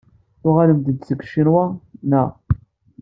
Tuɣalemt-d seg Ccinwa, naɣ?